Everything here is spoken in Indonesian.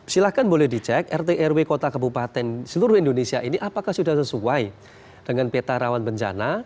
silahkan boleh dicek rt rw kota kebupaten seluruh indonesia ini apakah sudah sesuai dengan peta rawan bencana